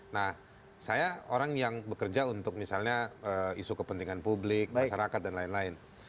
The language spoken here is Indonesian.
nah saya orang yang bekerja untuk misalnya isu kepentingan publik masyarakat dan lain lain